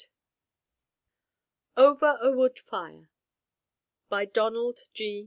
OVER A WOOD FIRE DONALD G.